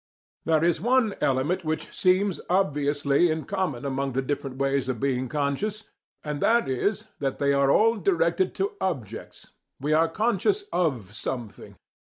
There is one element which SEEMS obviously in common among the different ways of being conscious, and that is, that they are all directed to OBJECTS. We are conscious "of" something.